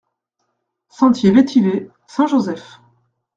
Sentier Vetiver, Saint-Joseph